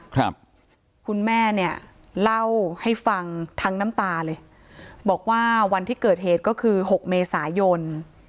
คุณแม่เนี่ยเล่าให้ฟังทั้งน้ำตาเลยบอกว่าวันที่เกิดเหตุก็คือหกเมษายน